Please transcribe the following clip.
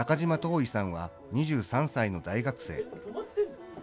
生さんは２３歳の大学生。